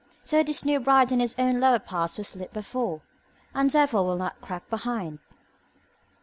So this new bride is in her lower parts well slit before, and therefore will not crack behind.